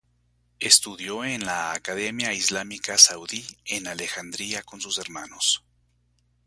Estudió en la Academia Islámica Saudí en Alexandria con su hermanos.